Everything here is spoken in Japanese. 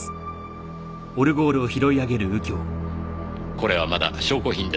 これはまだ証拠品です。